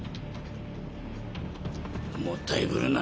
もったいぶるな。